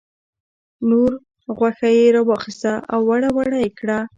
نوره غوښه یې را واخیسته او وړه وړه یې کړه.